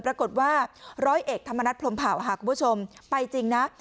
ปรากฏว่าร้อยเอกธรรมนัฐพรมเผาค่ะคุณผู้ชมไปจริงนะ